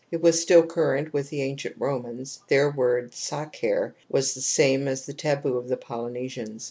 It was still current with the ancient Romans : their word ' sacer ' was the same as the taboo of the Polynesians.